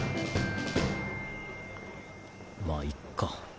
まぁいっか。